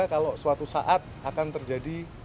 kalau suatu saat akan terjadi